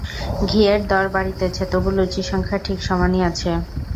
ঘিয়ের দর বাড়িতেছে তবু লুচির সংখ্যা ঠিক সমানই আছে।